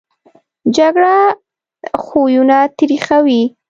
جګړه خویونه تریخوي